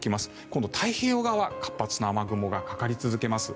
今度、太平洋側に活発な雨雲がかかり続けます。